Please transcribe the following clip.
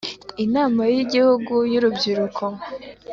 Inama y Igihugu y Urubyiruko